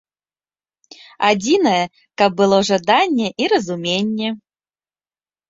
Адзінае, каб было жаданне і разуменне.